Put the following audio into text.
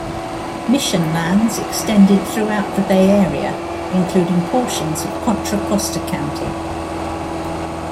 Mission lands extended throughout the Bay Area, including portions of Contra Costa County.